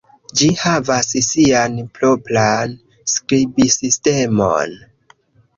Ĝi havas sian propran skribsistemon.